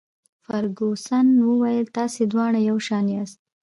فرګوسن وویل: تاسي دواړه یو شان یاست.